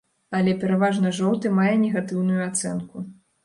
Але пераважна жоўты мае негатыўную ацэнку.